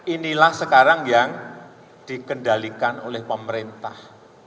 inilah sekarang yang dikendalikan oleh pemerintah